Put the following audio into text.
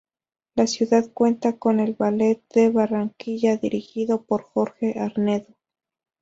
La ciudad cuenta con el Ballet de Barranquilla, dirigido por Jorge Arnedo.